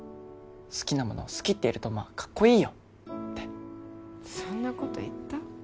「好きなものを好きって言える冬馬はかっこいいよ」ってそんなこと言った？